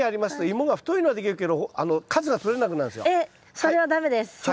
それは駄目です。